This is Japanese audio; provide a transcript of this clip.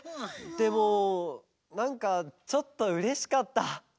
でもなんかちょっとうれしかった。